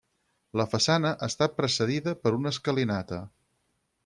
La façana està precedida per una escalinata.